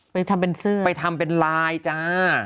ไปทำเป็นเสื้อไปทำเป็นลายจ้า